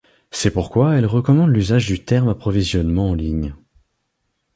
C'est pourquoi elle recommande l'usage du terme approvisionnement en ligne.